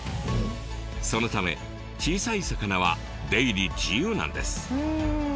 そのため小さい魚は出入り自由なんです。